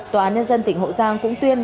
tòa án nhân dân tỉnh hậu giang cũng tuyên